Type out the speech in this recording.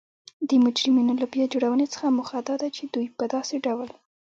د مجرمینو له بیا جوړونې څخه موخه دا ده چی دوی په داسې ډول